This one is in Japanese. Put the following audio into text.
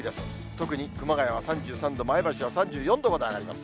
特に熊谷は３３度、前橋は３４度まで上がります。